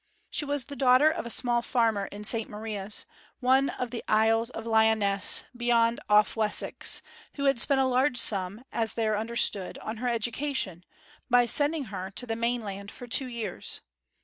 She was the daughter of a small farmer in St Maria's, one of the Isles of Lyonesse beyond Off Wessex, who had spent a large sum, as there understood, on her education, by sending her to the mainland for two years.